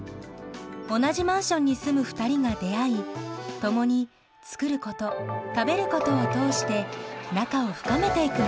同じマンションに住む２人が出会い共に「作ること」「食べること」を通して仲を深めていく物語。